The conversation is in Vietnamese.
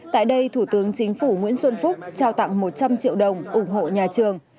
tại đây thủ tướng chính phủ nguyễn xuân phúc trao tặng một trăm linh triệu đồng ủng hộ nhà trường